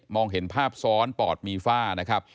มองเห็นภาพซ้อนปอดมีฟ้า